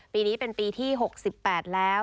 ปีนี้เป็นปีที่๖๘แล้ว